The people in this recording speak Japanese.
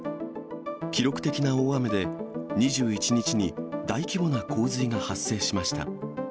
記録的な大雨で、２１日に大規模な洪水が発生しました。